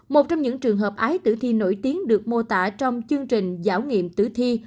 một trong những trường hợp ái tử thi nổi tiếng được mô tả trong chương trình giáo nghiệm tử thi